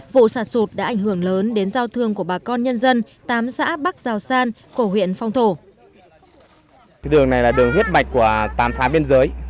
vụ sạt sụt đã ảnh hưởng lớn đến giao thương của bà con nhân dân tám xã bắc giảo san cổ huyện phong thổ